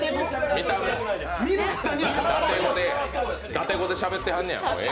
舘語でしゃべってはんのや。